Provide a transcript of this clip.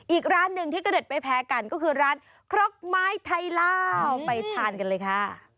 อีกร้านหนึ่งที่กระเด็ดไม่แพ้กันก็คือร้านครกไม้ไทยลาวไปทานกันเลยค่ะ